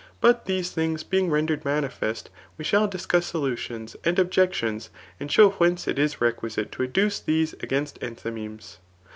But .these things being rendered manifest, we shall discuss solutiono and objections, and show whence it is requisite to adduce these against enthymemes.